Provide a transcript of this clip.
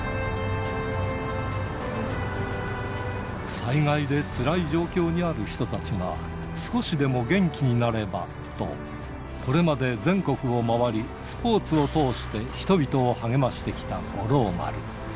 災害でつらい状況にある人たちが、少しでも元気になればと、これまで全国を回りスポーツを通して、人々を励ましてきた五郎丸。